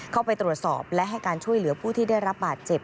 เข้าไปตรวจสอบและให้การช่วยเหลือผู้ที่ได้รับบาดเจ็บ